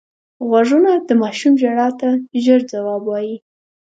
غوږونه د ماشوم ژړا ته ژر ځواب وايي